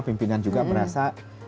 pimpinan juga merasa